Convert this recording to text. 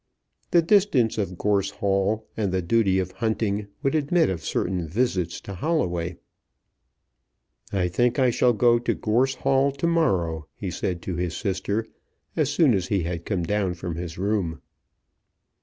The distance of Gorse Hall and the duty of hunting would admit of certain visits to Holloway. "I think I shall go to Gorse Hall to morrow," he said to his sister as soon as he had come down from his room.